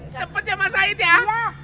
cepet ya mas sahid ya